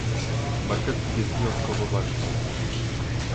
marketing jest wyjątkowo ważny